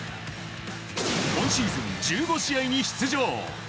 今シーズン１５試合に出場。